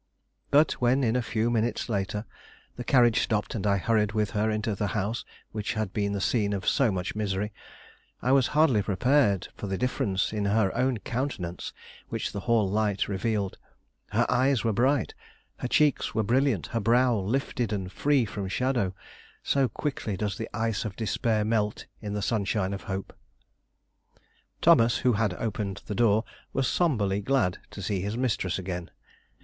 But when, in a few minutes later, the carriage stopped and I hurried with her into the house which had been the scene of so much misery, I was hardly prepared for the difference in her own countenance which the hall light revealed. Her eyes were bright, her cheeks were brilliant, her brow lifted and free from shadow; so quickly does the ice of despair melt in the sunshine of hope. Thomas, who had opened the door, was sombrely glad to see his mistress again.